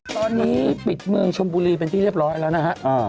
ตอนนี้ปิดเมืองชมบุรีเป็นที่เรียบร้อยแล้วนะฮะ